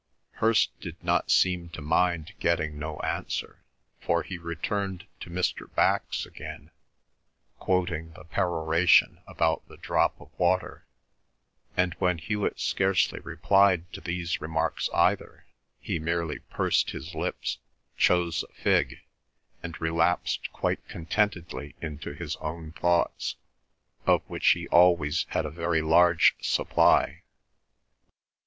Hirst did not seem to mind getting no answer, for he returned to Mr. Bax again, quoting the peroration about the drop of water; and when Hewet scarcely replied to these remarks either, he merely pursed his lips, chose a fig, and relapsed quite contentedly into his own thoughts, of which he always had a very large supply.